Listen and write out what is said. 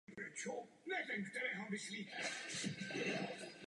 Kdysi byly samostatnou obcí.